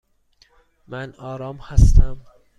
من آرام هستم.